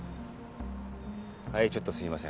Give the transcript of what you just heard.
はいちょっとすいません。